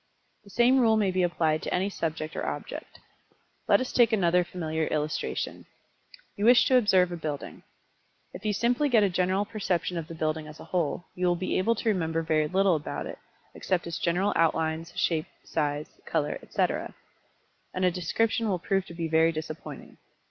The same rule may be applied to any subject or object. Let us take another familiar illustration. You wish to observe a building. If you simply get a general perception of the building as a whole, you will be able to remember very little about it, except its general outlines, shape, size, color, etc. And a description will prove to be very disappointing.